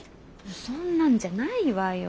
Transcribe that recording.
そんなんじゃないわよ。